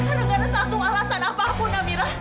kan gak ada satu alasan apapun amyra